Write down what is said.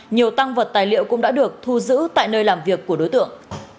nhiều tăng vật tài liệu cũng đã được thu giữ tại nơi làm việc của đối tượng